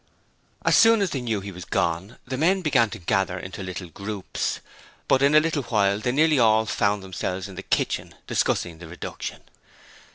As soon as they knew that he was gone, the men began to gather into little groups, but in a little while they nearly all found themselves in the kitchen, discussing the reduction.